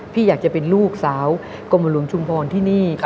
พี่อยากจะเป็นลูกสาวกรมหลวงชุมพรที่นี่